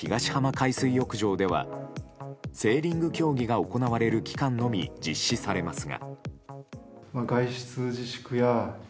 海水浴場ではセーリング競技が行われる期間のみ、実施されますが。